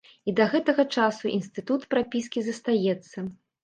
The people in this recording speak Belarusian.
І да гэтага часу інстытут прапіскі застаецца.